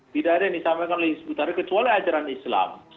tidak ada yang disampaikan oleh hizbut tahrir kecuali ajaran islam